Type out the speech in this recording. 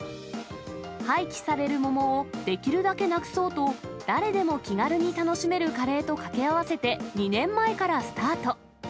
廃棄される桃をできるだけなくそうと、誰でも気軽に楽しめるカレーと掛け合わせて、２年前からスタート。